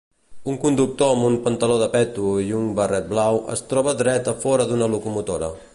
Un conductor amb un pantaló de peto i un barret blau es troba dret a fora d'una locomotora.